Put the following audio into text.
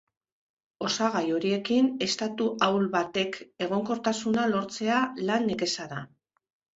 Osagai horiekin estatu ahul batek egonkortasuna lortzea lan nekeza da.